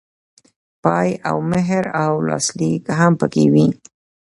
پای او مهر او لاسلیک هم پکې وي.